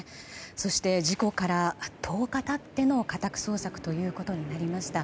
そして、事故から１０日経っての家宅捜索となりました。